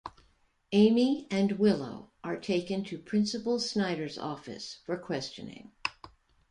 Amy and Willow are taken to Principal Snyder's office for questioning.